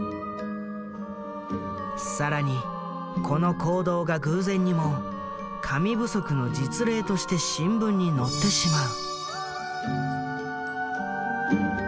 更にこの行動が偶然にも「紙不足」の実例として新聞に載ってしまう。